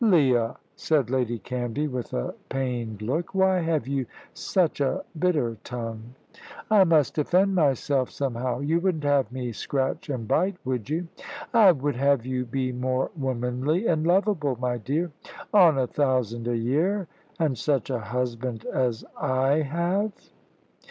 "Leah!" said Lady Canvey, with a pained look. "Why have you such a bitter tongue?" "I must defend myself somehow. You wouldn't have me scratch and bite, would you?" "I would have you be more womanly and lovable, my dear." "On a thousand a year, and such a husband as I have?"